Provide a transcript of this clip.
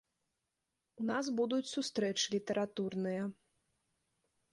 У нас будуць сустрэчы літаратурныя.